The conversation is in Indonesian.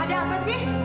ada apa sih